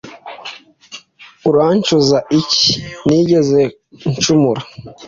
urancuza iki ntigeze ncumura